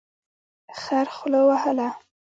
خر خوله وهله.